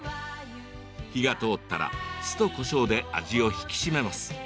火が通ったら、酢とこしょうで味を引き締めます。